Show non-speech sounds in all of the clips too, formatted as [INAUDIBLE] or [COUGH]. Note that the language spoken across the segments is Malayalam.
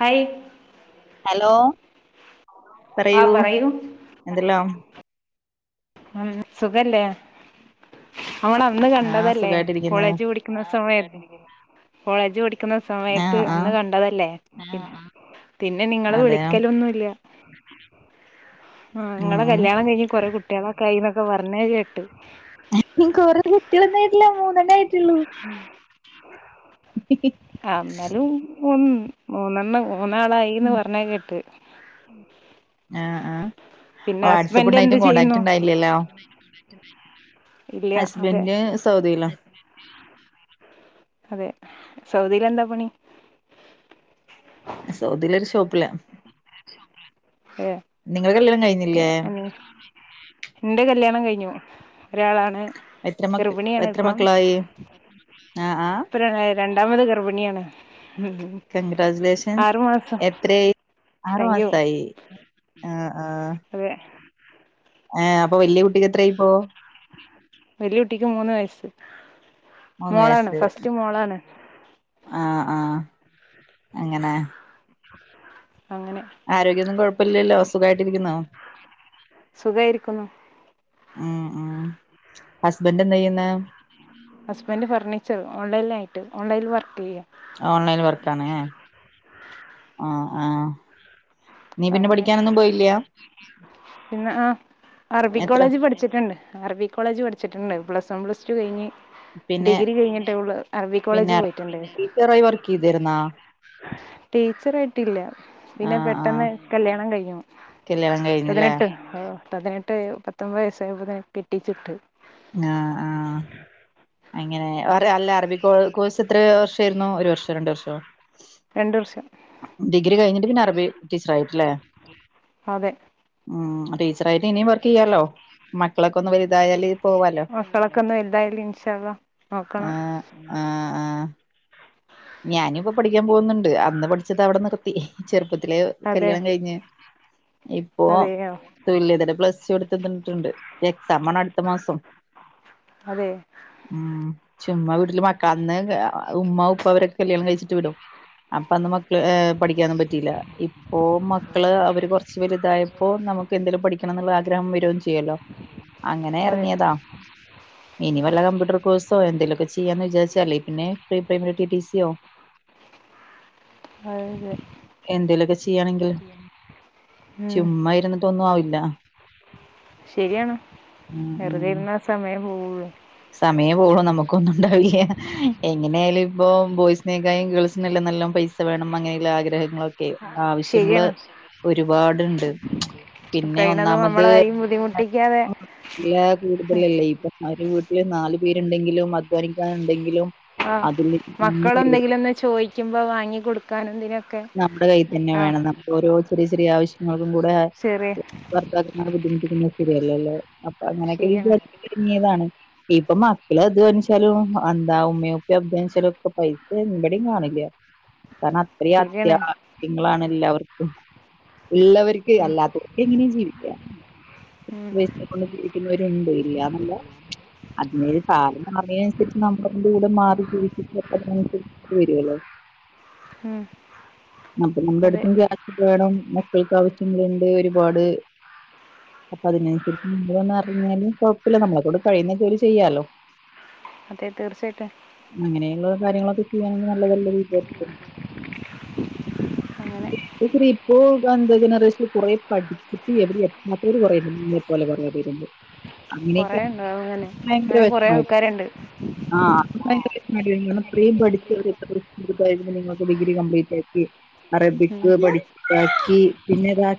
ഹായ് ഹലോ, പറയൂ.. എന്തെല്ലാം? ഉം.. സുഖല്ലേ നമ്മളന്നു ആഹ് കണ്ടതല്ലേ സുഖായിട്ടിരിക്കുന്നു കോളേജ് പഠിക്ക്‌ ന്ന സമയ കോളേജ് പഠിക്കുന്ന സമയത്ത് ആഹ് ആഹ് അന്ന് കണ്ടതല്ലേ പിന്നെ നിങ്ങള് അതെ വിളിക്കലൊന്നുല്ല ആ.. ഉം നിങ്ങളെ കല്യാണം കഴിഞ്ഞ് കൊറെ കുട്ടികളൊക്കെയായി യെന്നൊക്കെ പറഞ്ഞെകേട്ട് എ.. കുറെകുട്ടിളൊന്നു ആയിട്ടില്ല മൂന്ന ണ്ണേ ആയിട്ടുള്ളു കാ... എന്നാലുംമൂ മൂന്നെണ്ണം മൂന്നാളായീന്ന് പറഞ്ഞകേട്ട് അ.. ആ.. പിന്നെ ഹസ്ബൻഡ് എന്ത് വാട്സപ്പുണ്ടായിട്ടും, ചെയ്യുന്നു കോൺടാക്റ്റ് ണ്ടായില്ലല്ലോ ഇല്ല അതെ ഹസ്ബൻഡ് സൗദിയിലാ അതെ സൗദിയിലെന്താ പണി. സൗദിയിലൊരു ഷോ പ്പില, ഏ നിങ്ങളെ കല്യാണം കഴിഞ്ഞില്ലേ ന്റ കല്ല്യാണം കഴിഞ്ഞു. ഒരാളാണ്, എത്ര മക്ക എത്ര ഗർഭിണിയാണിപ്പം, മക്കളായി ആഹ് ആഹ് ഇപ്പ ര രണ്ടാമതുഗർഭിണിയാണ്. കൺഗ്രാജുലേഷൻസ് ആറ് മാസം എത്രയായി ആറു താങ്ക് യു മാസായി ആ ആ അതെ ആ അപ്പൊ വലിയ കുട്ടിക്ക് എത്രായിപ്പോ വലിയ കുട്ടിക്ക് മൂന്ന് വയസ് മോളാണ് ഫസ്റ്റ് മോളാണ് ആ ആ അങ്ങനെ [INAUDIBLE] ആരോഗ്യമൊന്നും കൊഴപ്പില്ലല്ലോ സുഖായിട്ടിരിക്കുന്നോ സുഖായിരിക്കുന്നു ഉം ഉ ഹസ്ബൻറ് എന്തായ്യുന്നെ ഹസ്ബന്റ് ഫർണിച്ചർ ഓൺലൈൻ നായിട്ട് ഓൺലൈനിൽ വർക്ക്യ്യ് ഓൺലൈൻ വർക്കാണ് എ ആ ആ നീ പിന്നെ അങ്ങനെ പഠിക്കാനൊന്നും പോയില്ല പിന്നെ ആ അറബി എത്ര കോളേജ് പഠിച്ചിട്ടുണ്ട് അറബി കോളേജ് പഠിച്ചിട്ടുണ്ട് പ്ലസ് ഞാൻ പ്ലസ് ടു കഴിഞ്ഞ് പിന്നെ ഡിഗ്രി കഴിഞ്ഞിട്ടൊള്ളൂ അറബി കോളേജ് പിന്നെ പോയിട്ട്ണ്ട് ടീച്ചറായി വർക്ക് ചെയ്തിരുന്നാ ടീച്ചർ ആയിട്ടില്ല പിന്നെ പെ ആഹ് ആഹ് പെട്ടെന്ന് കല്യാണം കഴിഞ്ഞു കല്യാണം കഴിഞ്ഞില്ലേ പതിനെട്ട് ഉം പതിനെട്ട് പത്തൊമ്പത് വയസ്സായതിനെ കെട്ടിച്ചിട്ട് ആ ആ അങ്ങനെ അല്ല അറബി കോഴ്സ് എത്ര വർഷയിരുന്നു ഒരു വർഷോ രണ്ടു വർഷോ രണ്ട് വർഷം ഡിഗ്രി കഴിഞ്ഞിട്ട് പിന്നെ അറബി ടീച്ചർ ആയിട്ട് അല്ലെ അതെ ഉം ടീച്ചറായിട്ട് ഇനിയും വർക്ക് ചെയ്യാലോ മ- മക്കളൊക്കെഒന്ന് വലുതയാല് പോവാലോ മക്കളൊക്കെ ഒന്ന് വലുതായാല് ഇൻഷാ അള്ളാ നോക്കണം ആ ആ ആ ഞാനും ഇപ്പ പഠിക്കാൻ പോകുന്നുണ്ട് അന്ന് പഠിച്ചത് അവിടെ നിർത്തി ചെറുപ്പത്തി- അതെ കല്യാണം കഴിഞ്ഞഞ് ഇപ്പൊ അതെയോ തുല്യതടെ പ്ലസ്ടു എടു ത്തി ട്ടുണ്ട് എക്സാമാണ് അടുത്ത മാസം അത ഉം ചുമ്മാ വീട്ടില് മക്കളന്ന് ഉമ്മ ഉ പ്പഅവരൊക്കെ കല്യാണം കഴിച്ചിട്ട് വിടും അപ്പൊ അന്ന് മക്കള് ഏ - പഠിക്കാനും പറ്റിയില്ല ഇപ്പോ മക്കള് അവര് കുറച്ച് വലുതായപ്പോ നമുക്ക് എന്തെങ്കിലും പഠിക്കണം എന്നുള്ള ആഗ്രഹം വരയും ചെയ്യല്ലോ അങ്ങനെ അതെ ഇറങ്ങിയതാ ഇനി വല്ല കമ്പ്യൂട്ടർ കോഴ്സോ എന്തെലുമൊക്കെ ചെ ചെയ്യാന്ന് വിചാരിച്ചാലേ പിന്നെ പ്രീ പ്രൈമററ്റി ടി സിയിയോ അതെ എന്തേലൊക്കെ ചെയ്യാണെങ്കിൽ ഉം ചുമ്മാ ഇരുന്നിട്ടൊന്നും ആവില്ല ശരിയാണ് ഉം ഉം വെറുതെരുന്ന സമയം പോവൊള്ളൂ സമയം പോളൂ നമുക്കൊന്നും ഉണ്ടാവില്ല എങ്ങനെയ ആയാലും ഇപ്പൊ ബോയ്സിനേക്കായും ഗേൾസിനെല്ലാം നല്ല പൈസ വേണം അങ്ങനെയുള്ള ആഗ്രഹങ്ങളൊക്കെ ആവശ്യങ്ങള് ശരിയാണ് ഒരുപാടുണ്ട് പിന്നെ കഴിയണതും ഒന്നാമത് നമ്മളെ ആരെയും ബുദ്ധിമുട്ടിക്കാതെ ഇല്ല കൂടുതലല്ലേ ഇപ്പൊ അവര് വീട്ടിൽന്ന നാല് പേരുണ്ടെങ്കിലും അധ്വാനിക്കാൻ ഉണ്ടെങ്കിലും ആ മക്കൾ എന്തെങ്കിലും ഒന്ന് ചോദിക്കുമ്പോ വാങ്ങിക്കൊടുക്കാന എന്തിന നമ്മുടെ കയ്യിൽ തന്നെ വേണം നമുക്ക് ഓരോ ചെറിയ ചെറിയ ആവശ്യങ്ങൾക്ക് കൂടെ ചെറിയ ഭർത്താക്കന്മാരെ ബുദ്ധിമുട്ടിക്കുന്നത് ശരിയല്ലല്ലോ അപ്പൊ അങ്ങനെയൊക്കെ ശരിയാണ് വീചാരി തുങ്ങിയതാണ് ഇപ്പൊ മക്കൾ അത് വെച്ചാലും എന്താ ഉമ്മയ ഉപ്പ അച്ചാലും ഒക്കെ പൈസ എവിടേയും കാണില്ല കാരണം അത്രയും ശരിയാണ് അത്യാവശ്യ ങ്ങളാണല്ലോ എല്ലാവർക്കും ഉള്ളവർക്ക് അല്ലാത്ത എങ്ങനെയും ജീവിക്ക ഉം [UNINTELLIGIBLE] [UNINTELLIGIBLE] [UNINTELLIGIBLE] ഉം. അപ്പൊ നമ്മുടെ അടുത്തും അതെ ക്യാഷ് വേണം മക്കൾക്ക് ആവശ്യങ്ങളുണ്ട് ഒരുപാട് അപ്പൊ അതിനനുസരിച്ച് [UNINTELLIGIBLE] അറിഞ്ഞാലും കൊഴപ്പില്ല നമ്മള കൊണ്ട് കഴിയുന്ന ജോലി ചെയ്യാലോ. അതെ തീർച്ചയായിട്ടും അങ്ങനെയുള്ള കാര്യങ്ങളൊക്കെ ചെയണെങ്കിൽ നല്ല നല്ല [UNINTELLIGIBLE] അങ്ങനെ ഇപ്പൊ എന്റെ ജനറേഷന് കുറ പഠിച്ചിട്ട് ഇവിടെ എത്താത്തവര് കുറെ എന്നെ പോലെ കുറേ പേരുണ്ട്. കൊറെ അങ്ങനെയൊക്കെ ഉണ്ടോ അങ്ങനെ ഭയങ്കര അങ്ങനെ കൊറെ വിഷമായിട്ട് ആൾക്കാരുണ്ട്. ആ [UNINTELLIGIBLE] ഇത്രയും [UNINTELLIGIBLE] നിങ്ങക്ക് ഡിഗ്രി കംപ്ലീറ്റ് ആക്കി ഉം. അറബിക് പടി ബാക്കി പിന്നെ ഏതാ?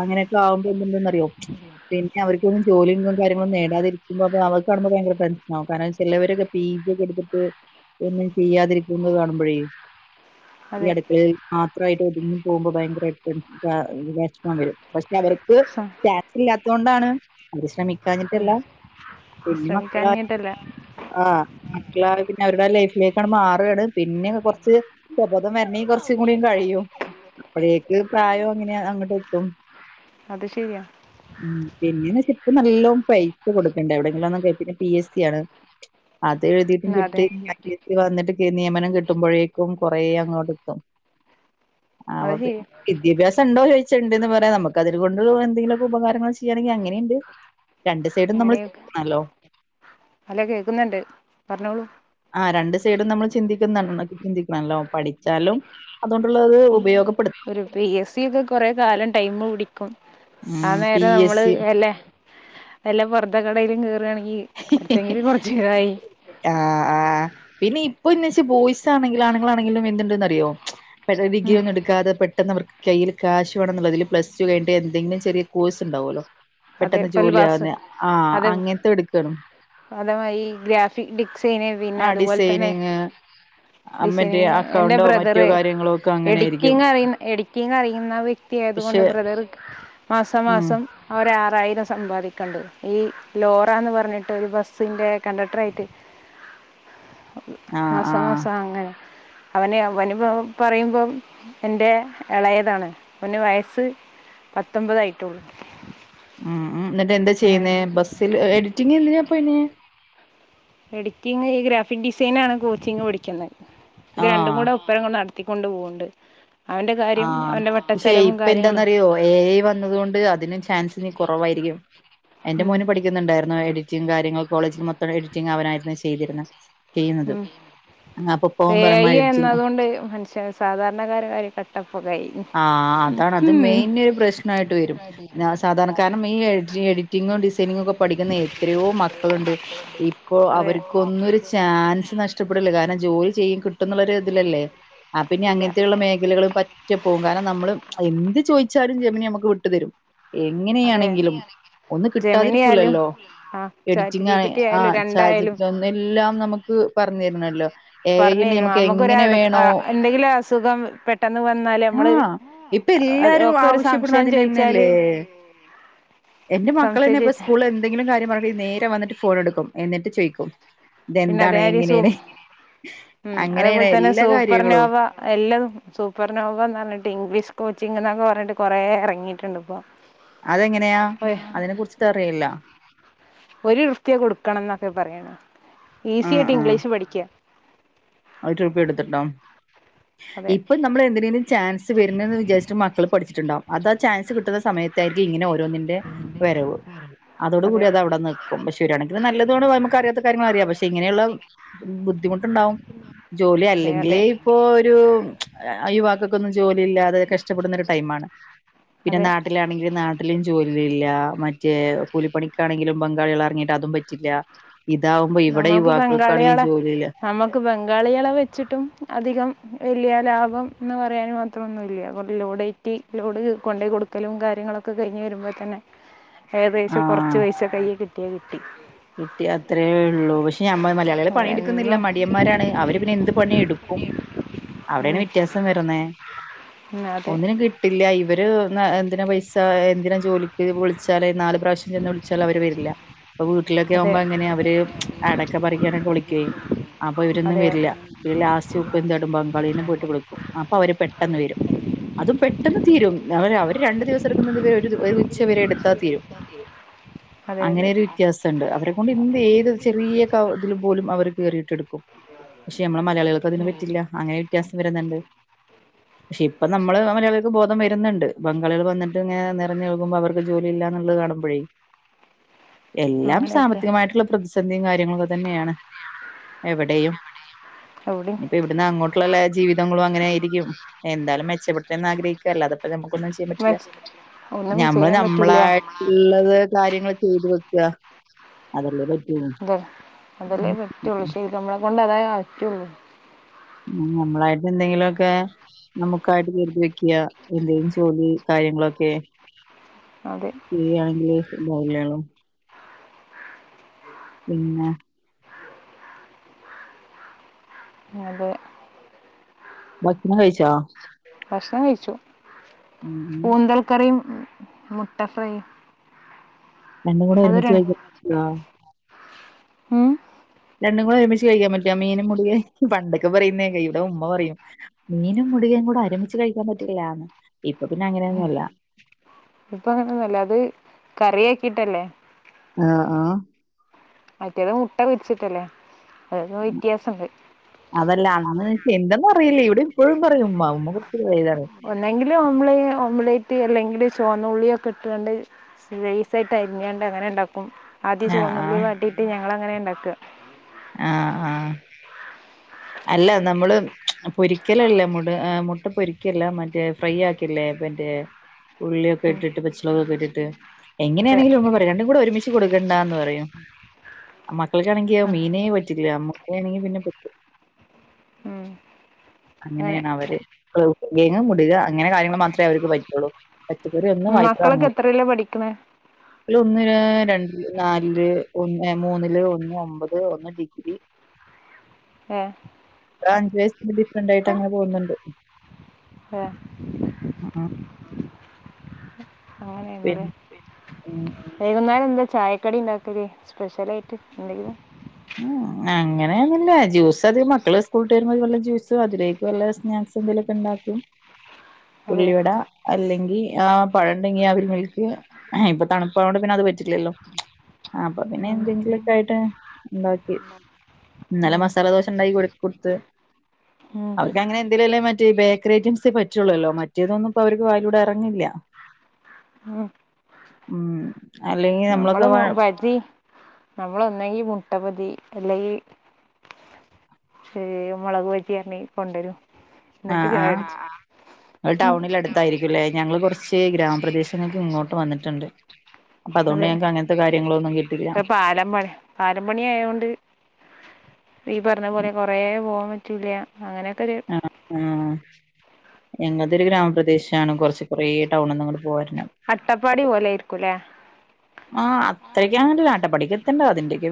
അങ്ങനെയൊക്കെ ആവുമ്പോ [UNINTELLIGIBLE] അറിയോ പിന്നെ അവർക്കൊന്നും ജോലിയും കാര്യങ്ങളും നേടാതിരിക്കുമ്പോ അപ്പൊ അവർ കാണുമ്പോ ഭയങ്കര ടെൻഷൻ ആകും കാരണം ചിലവരൊക്കെ ഫീസ്സോക്കെ എടുത്തിട്ട് ഒന്നും ചെയ്യാതിരിക്കുന്നത് കാണുമ്പോഴേ [UNINTELLIGIBLE] ഈ അടുക്കളയിൽ മാത്രമായിട്ട് ഒതുങ്ങി പോകുമ്പോ ഭയങ്കരമായി വിഷമം വരും പക്ഷെ അവർക്ക് ക്ക് സ- ക്യാഷ് ഇല്ലാത്ത കൊണ്ടാണ് അവര് ശ്രമിക്കാഞ്ഞിട്ടല്ല. അതെ. ശ്രമിക്കാഞ്ഞിട്ടല്ല. ആ മക്കള് പിന്നെ അവരുടെ ലൈഫിലേക്കാണ് മാറുകയാണ് പിന്നെ കുറച്ച് സുബോധം വരണെങ്ക കുറച്ച് കൂടി കഴിയും അപ്പോഴേക്ക് പ്രായം അങ്ങനെയ അങ്ങോട്ട് എത്തും. അത് ശരിയാ ഉം പിന്നെ ഇപ്പൊ നല്ലോണം പൈസ കൊടുക്കേണ്ട എവിടെങ്കിലും ഒന്നും കെ പി എസ് സി ആണ്. അത് എഴുതിയിട്ടും ഉം, അതെ കിട്ടി വന്നിട്ട് നിയമനം കിട്ടുമ്പോഴേക്കും കൊറേ അങ്ങോട്ട് ഇത്തും അത് ശരിയാ വിദ്യാഭ്യാസം ഉണ്ടോ ചോ ണ്ടന്ന് പറയാ നമുക്ക് അതിനേ കൊണ്ട് എന്തെങ്കിലൊക്കെ ഉപകാരങ്ങൾ ചെയ്യണെങ്കിൽ അങ്ങനെയുണ്ട്. രണ്ട് സൈഡും നമ്മൾ അങ്ങനെയൊക്കെ [UNINTELLIGIBLE] അല്ല കേൾക്കുന്നുണ്ട് പറഞ്ഞോളൂ ആ രണ്ട് സൈഡും നമ്മൾ ചിന്തിക്ക ചിന്തിക്കണല്ലോ പഠിച്ചാലും അതുകൊണ്ടുള്ള ഉപയോഗ ഒരു പി എസ് സി ഒക്കെ കൊറെ കാലം ടൈം പിടി ആ ഉം പി നേരം എസ് നമ്മള് സി വല്ല വല്ല പുറത്തെ കടയിലും കേറയാണ ആ പിന്നെ ഇപ്പൊ ഇന്ന് വെച്ച് ബോയ്സ് ആണെങ്കിലും ആണുങ്ങാനാണെങ്കിലും എന്തുണ്ടന്ന് അറിയോ പെ ഡിഗ്രി ഒന്നും എടുകാതെ പെട്ടെന്ന് അവർക്ക് ക ക്യാഷ് വേണെന്നുള്ളള്ളതിൽ പ്ലസ് കഴിഞ്ഞിട്ട് എന്തങ്കിലും ചെറിയ കോഴ്സ് ഉണ്ടാവുമല്ലോ പെട്ടെന്ന് അതേപോലെ ജോലി ആവുന്ന ആഹ് അങ്ങനത്തെ എടുക്ക അതമായി ഗ്രാഫിക് ഡിക്സൈനെ പിന്നെ ആ അതുപോലെ തന്നെ ഡിസൈനിങ് ഡിസൈനി മറ്റേ എന്റെ അക്കൗണ്ടോ മറ്റോ ബ്രദറ് കാര്യങ്ങളോ ഒക്കെ അങ്ങനെയിരിക്കും എഡിറ്റിങ് അറിയുന്ന എഡിറ്റിങ് അറിയുന്ന വ്യക്തി ആയതുകൊണ്ട് പക്ഷെ ബ്രദർ ഉം മാസംമാസം അവർ യിനം സമ്പാദിക്കണ്ട് ഈ ലോറ എന്ന് പറഞ്ഞിട്ട് ഒരു ബസിൻ്റെ കണ്ടക്ടറായിട്ട് ആഹ് മാസം ആഹ് മാസം അങ്ങനെ അവന് അവന് പറയുമ്പം എന്റെ ഇളയതാണ് അവന് വയസ്സ് പത്തൊമ്പതായിട്ടുള്ളൂ. ഉം ഉം എന്നിട്ട് എന്താ ചെയ്യുന്നേ ബസ്സിൽ എഡിറ്റിങ് എന്തിനാ പോയിന എഡിറ്റിങ് ഈ ഗ്രാഫിക് ഡിസൈനാണ് കോച്ചിങ് പടിക്കുന്നത് ഇത് രണ്ടും ആഹ് കൂടെ ഉപ്പരം കൊണ്ട് നടത്ത എത്തിക്കൊണ്ട് പോകണ്ട്. ആ പക്ഷെ ഇപ്പ കാര്യങ്ങളും എന്താന്നറിയോ എ ഐ വന്നത് കൊണ്ട് അതിന് ചാൻസ് ഇനി കുറവായിരിക്കും. എന്റെ ഉം മോന് പഠിക്കുന്നുണ്ടായിരുന്നു എഡിറ്റിങ് കാര്യങ്ങൾ കോളേജിൽ മൊത്തം എഡിറ്റിങ് അവനായിരുന്നു ചെയ്തിരുന്നു. ഉം ഇപ്പ എ ഐ പറയുമ്പോ എഡിറ്റിംഗ് വന്നതുകൊണ്ട് മനുഷ്യ സാധാരണക്കാര കാര്യ ക കട്ട പോകായി. ആഹ് അതാണ് അത് മെയിൻ ഒരു പ്രശ്നായിട്ട് വരും. ഞാ സാധാരണ കാരണം ഈ എഡി എഡിറ്റിങ്ങും ഡിസൈനിങ്ങും ഒക്കെ പഠിക്കുന്ന എത്രയോ മക്കളുണ്ട്. ഇപ്പോ അതെ അവർക്കൊന്നും ഒരു ചാൻസ് നഷ്ടപ്പെടില്ല കാരണം ജോലി ചെയ്യും കിട്ടുന്ന ഇതിലല്ലേ ആ പിന്നെ ഇല്ല അങ്ങനെയുള്ള മേഖലകും ഒറ്റ പോകും കാരണം നമ്മള് എന്ത് ചോദിച്ചാലും ജമനിി നമ്മുക്ക് വിട്ടുതരും അതെ എങ്ങനെയാണെങ്കിലും ഒന്നന്ന് ജെമിനി ആയാലും കിട്ടാതിരിക്കൂലല്ലോ ആ ചാറ്റ് എഡിറ്റിംഗ ജി ആണ് പി ടി ആ ആയാലും രണ്ടായാലും ചാജിപ്പ ഒന്ന എല്ലാം നമുക്ക് പറഞ്ഞു തരണല്ലോ എ ഐ പറഞ്ഞു ന്നെ തരുും നമുക്ക് നമുക്ക്ൊട എങ്ങനെ വേണോ എന്തെങ്കിലും അസുഖം പെട്ടെന്ന് പറ ആഹ ഇപ്പൊ എല്ലാരും ഒക്കെ ഒരു ആവശ്യപ്പെടണം സംശയം അതിനന്നെയല്ലേ ചോദിച്ചാല് എന്റെ മക്കള സംശയം തന്നെ ഇപ്പ ചോദിച്ചാ സ്കൂളിൽ എന്തെങ്കിലും കാര്യം പറ നേരെ വന്നട്ട് ഫോൺ എടുക്കും എന്നിട്ട് ചോയിിക്കും പിന്നെ ഇതെന്താണ് അതേമാതിരി സൂ എങ്ങനെയണ ഉം അതേപോലെ തന്നെ കാര്യങ്ങളും സൂപ്പർനോവ എല്ലാതും സൂപ്പർ നോന്ന് പറഞ്ഞിട്ട് ഇംഗ്ലീഷ് കോച്ചിംഗ എന്നൊക്കെ പറഞ്ഞിട്ട് കുറെ ഇറങ്ങിട്ടുണ്ട് ഇപ്പൊ അതെങ്ങനെയാ ഒര് അതിനെ കുറിച്ചിട്ട് അറിയില്ല ഒരു വൃത്തിയെ കൊടുക്കണം എന്നൊക്കെ പറയണ ഈസി ആയിട്ട് ഇംഗ്ലീഷ് പഠിക്കാ പ്യ എടുത്തിട്ടോ അതെ ഇപ്പ നമ്മള എന്തിനിലും ചൻ വരുന്നത്െന്ന് വിാരിച്ചട്ട് മക്ക പഠിച്ചിുണ്ടാവും അത്ാ ചാൻസ് കിുന്ന സമയത്തായിരിക്കും ഇങ്ങനെ ന്നിന്റെ വരവ് അതോട അതെ കൂടി അത അവിടെ നിൽക്കും പക്ഷെ ശുരായാണിന് നല്ലത നമുക്ക് അറിയാത്ത കാര്യങ്ങള അറിയാം പക്ഷെ ഇങ്ങനെയുള്ള ബുദ്ധിമുട്ടുണ്ടാവും ജോലി അതെ അതെ അല്ലെങ്കിലേ ഇപ്പോ ഒരു യുവാക്കൊക്കൊന്നും ജോലി ഇല്ലാതെ കഷ ഷപ്പെടുന്ന ട പിന്നെ അതെ നാട്ടിലാണെങ്കില നാട്ടിലും ജോല മറ്റേ കൂലിപ്പണിക്കാണെങ്കിലും പങ്കാളികൾ ഇറങ്ങിട്ട് അതും പറ്റില്ല ഇതാവുമ്പോ ഇവിടെ നമ്മൾക്ക് യുവാക്കൾക്കാണെങ്കിൽ ജോലില്ല പങ്കാളി അള വെച്ചിട്ടും അധികം വലിയ ലാഭം എന്ന് പറയാൻ മാത്രമൊന്നുമ ഇല്ല കുറ ലോഡേറ്റ് യിലോട് കൊണ്ട കൊടുക്കലും കാര്യങ്ങളൊക്കെ കഴിഞ്ഞഞ് വരുമ്പോൾ തന്നെ ഏകദേശം കുറച്ച് പൈസ കയൽ കിട്ടിയാ കിട്ടി എിട്ട് അത് അത്രേ ഉള്ളൂ പക്ഷെ മ്മ മലയാളികളെ പണിയെടുക്കുന്നില്ല അവരെന്നും മടിയന്മാരാണ് അവര് പിന്നെ എന്ത് പണിയ എടുക്കും അവിടെയാണ് ഉം വ്യത്യാസം വരുന്നേ അതെ ഒന്നിനും കിട്ടില്ല ഇവര് എന്തിന പൈസ എന്തിനാ ജോലിക്ക് വിളിച്ചാലേ നാല് പ്ര ശ ച വിളിച്ചാൽ അവര് വരില്ല അപ്പൊ വീട്ടിലൊക്കെ അതെ ആുമ്പോ അങ്ങനെ അവ അടൊക്കെ പറിക്കാനൊക്കെ വിളിക്കേ അപ്പൊ ഇവരൊന്നും അതെ അതെ വരില്ല ഈ ലാസ്റ്റ് ഉപ്പ് തടമ്പോ പങ്കാളിെ പോയിട്ട് വിളിക്കും അപ്പൊ അവര് പെട്ടെന്ന് വരും അതും പെട്ടെന്ന് തീരും അവ അവര് രണ്ടു ദിവസം എടുക്കുന്നത് ഇവരെ ഒരു ഉച്ച വരെ എടുത്താൽ തീരും അതെ അങ്ങനെയൊരു വ്യത്യാസമുണ്ട് അവരെ കൊൊണ്ട് ചെറിയ ക ഇതില് പോലും അവര് കേയറിയിട്ടെടുക്കും പക്ഷെ നമ്മളെ മലയാളികൾക്ക് അതിനന് പറ്റില്ല അങ്ങനെ വ്യത്യാസം വരുന്നുണ്ട് പക്ഷെ ഇപ്പ നമ്മള് മലയാളികക്ക് ബോധം വരുന്നുണ്ട് ബങ്കാളികൾ വന്നിട്ട് ഇങ്ങെ നിറഞ്ഞൊഴക്കുമ്പോ അവർക്ക് ജോലി ഇല്ല ുള്ളത് കാണുമ്പോഴേ ഉ എല്ലാം സാമ്പത്തികമായിട്ടുള്ള പ്രതിസന്ധിയും കാര്യങ്ങള ഒക്കെ തന്നെയാണ് എവിടെയും ഓ ഇനിപ്പ ഇവിടുന്ന് അങ്ങോട്ടുള്ളല്ല ജീവിതങ്ങളും അങ്ങനെ ആയിരിക്കും എന്താലും മെച്ചപ്പെട്ടന്ന് ആഗ്രഹിക്കാല്ലോ അതപ്പ നമുക്കൊ ൻ പറ്റ വച്ച് ഒന്നും നമ്മള് ചെയ്യാൻ പറ്റൂല നമ്മളായിട്ടുള്ളത് കാര്യങ്ങ ചെയത് വക്ക അതല്ല അത അതല്ലേ പറ്റുള്ളൂ ശരിരിക്കും നമ്മളെ കൊണ്ട് അതായ അറ്റുള്ളൂ ഉ നമ്മളായിട്ട് എന്തെങ്കിലുമൊക്കെ നമുക്കായിട്ട് കരുതി വെക്കയാ എന്തേും ജോലി കാര്യങ്ങളൊക്കെ അതെ ചെയരിയാണെങ്കില് എന്തല്യാണം പിന്നെ അതെ. ഭക്ഷണം കഴിച്ചോ? ഭക്ഷണം കഴിച്ചു. ഉം. പൂന്തൽക്കറിയും മുട്ട ഫ്രൈ രണ്ടും കൂടെ അതൊരു ഒരുമിച്ച് കഴിയ്ക്കും ആ ഹ്മ് രണ്ടും കൂടെ ഒരുമിച്ച് കഴിക്കാൻ പറ്റുവോ? മീനും മുടിയ, പണ്ടൊക്കെ പറയുന്ന കേക്കാം. ഇവിടെ ഉമ്മ പറയും. മീനും [UNINTELLIGIBLE] കൂടെഒരു മിച്ച് കഴിക്കാൻ പറ്റില്ലന്ന് ഇപ്പൊ പിന്നെ അങ്ങനെയന്നല്ല ഇപ്പ അങ്ങനൊന്നൂല്ല. അത് കറി ആക്കിട്ടല്ലേ. ആ ആ മറ്റേത് മുട്ട പൊരിച്ചിട്ടല്ലേ? അതൊക്കെ വ്യത്യാസമുണ്ട് അതല്ല, അന്ന് വച്ച് എന്തെന്നറിയില്ല. ഇവിടെ ഇപ്പോഴും പറയും ഉമ്മ. ഉമ്മ വലുതാണ് ഒന്നെങ്കില് ഓംളയ് ഓം ലേയ് [UNINTELLIGIBLE] അല്ലെങ്കില് ചൊവന്ന ഉള്ളിയൊക്കെ ഇട്ടൊണ്ട് നൈസായിട്ട് അരിഞ്ഞോണ്ട് അങ്ങനെ ഉണ്ടാക്കും. അപ്പം ആദ്യം ആ ആ ചൊവന്നുള്ളി വാട്ടീട്ട് ഞങ്ങളങ്ങനെ ഉണ്ടാക്ക ആ ആ അല്ല നമ്മള് പൊരിക്കലല്ലേ മുട മുട്ട പൊരിക്കല്ലേ മറ്റേ മുട്ട ഫ്രൈ ആക്കുവല്ലേ? മറ്റെ ഉള്ളിയൊക്കെ ഇട്ടിട്ട്, പച്ചോളകൊക്കെ ഇട്ടിട്ട്, അതെ എങ്ങനെയാണെങ്കിലും നമ്മ പറയാ രണ്ടും കൂടെ ഒരുമിച്ച് കൊടുക്കണ്ടാന്ന് പറയും. മക്കൾക്കാണെങ്കി മീനേ പറ്റില്ല. അമ്മുക്കാണെങ്കി പിന്നെ പറ്റും. ഉം അങ്ങനെ അങ്ങനെയാണ് അവര്. [UNINTELLIGIBLE] അങ്ങനെ കാര്യങ്ങള് മാത്രെ അവർക്ക് പറ്റുള്ളൂ. പറ്റ് മക്കളൊക്കെ എത്രേലാ പഠിക്കണ? ഒന്ന് രണ്ടില് നാലില് ഒന്ന് മൂന്നില് ഒന്ന് ഒമ്പത് ഒന്ന് ഡിഗ്രി. ഏ അഞ്ചു വയസ്സിന് ഡിഫറന്റ് ആയിട്ട് അങ്ങനെ പോകുന്നുണ്ട്. ഏ ആ അങ്ങനെയാണല്ലേ പിന്ന വൈകുന്നേരം എന്താ ചായക്കടി ഉണ്ടാക്കല്? സ്പെഷ്യൽ ആയിട്ട് എന്തെങ്കില്? അങ്ങനെയൊന്നൂല്ല. ജ്യൂസധികം മക്കള് സ്ൂട വരുമ്പോൾ വല്ല ജൂസ് അതിലേക്ക് വല്ല സ്നാക്സ് എന്തങ്കലൊക്കെ ഉണ്ടും അതെ ഉള്ളിവട അല്ലെങ്കിൽ ആ പഴം ഉണ്ടെങ്കി അവൽമിൽക്ക്. ഇപ്പൊ തണുപ്പായതോണ്ട് പിന്നെ പറ്റില്ലല്ലോ. അപ്പൊ പിന്നെ ഉം എന്തെങ്കിലും ക്കായിട്ട് ഉണ്ടാക്കി. ഇന്നല്ല ഉം മസാല ദോശ ഉണ്ടാക്കി കൊടുത്ത് ഉം അവർക്ക് അങ്ങനെ എന്തേലല്ലേ മറ്റേ ബേക്കറി ഐറ്റംസേ പറ്റൂള്ളല്ലോ. മറ്റേതൊന്നും അവർക്ക് വായിലൂടെ എറങ്ങില്ല. ഉം ഉം അല്ലെങ്കി നമ്മള് [UNINTELLIGIBLE] നമ്മളൊന്നെങ്കി മുട്ട പതി അല്ലെങ്കി ശരി. മുളക് എന്തേലും കൊണ്ടുവരും ആ എന്നിട്ട് ചായ ആ കുടിച്ചും ഉം ടൗണില് അടുത്തായിരിക്കും ല്ലേ ഞങ്ങള് കുറച്ച് പക്ഷേ ഗ്രാമ പ്രദേശങ്ങൾ ഇങ്ങോട്ട് വന്നിട്ടുണ്ട് അപ്പൊ അതുകൊണ്ട് അതെ ഞങ്ങക്ക് അങ്ങനത്തെ കാര്യങ്ങളൊന്നും കിട്ടില്ല പാലം പണി. പാലം പണി ആയോണ്ട് ഈ പറഞ്ഞ പോലെ, കൊറേ പോവാൻ പറ്റൂല. അങ്ങനൊക്കെ ഒരു ആ ഞങ്ങത്തെ ഒരു ഗ്രാമപ്രദേശാണ്. കൊറച്ച് കൊറേ ടൗണിന്ന് ഇങ്ങടെ പോവാ അട്ടപ്പാടി പോലായിരിക്കും. ല്ലെ അത്രയ്ക്കങ്ങട് അട്ടപ്പാടിക്കെത്തണ്ട. അതിന്റെക്ക